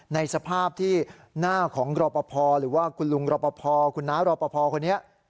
ในสภาพที่หน้าของรอปภหรือว่าคุณลุงรอปภคุณน้ารอปภคนนี้